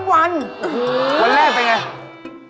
วันแรกเป็นอย่างไร